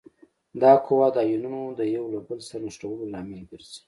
دا قوه د آیونونو د یو له بل سره نښلولو لامل ګرځي.